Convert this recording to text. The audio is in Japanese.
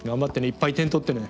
いっぱい点取ってね。